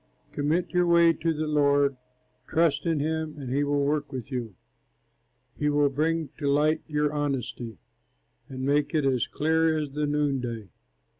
Commit your way to the Lord, Trust in him, and he will work with you, He will bring to light your honesty, And make it as clear as the noonday.